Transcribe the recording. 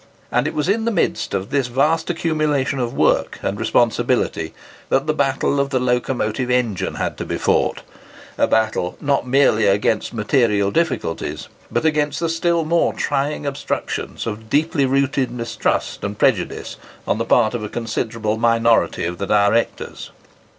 And it was in the midst of this vast accumulation of work and responsibility that the battle of the locomotive engine had to be fought,—a battle, not merely against material difficulties, but against the still more trying obstructions of deeply rooted mistrust and prejudice on the part of a considerable minority of the directors.